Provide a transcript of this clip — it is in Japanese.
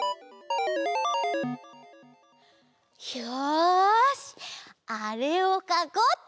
よしあれをかこうっと！